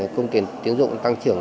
cung tiền tiến dụng tăng trưởng